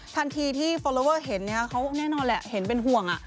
ทันทีที่ฟอลลอเวอร์เห็นเขาแน่นอนแหละเห็นเป็นห่วง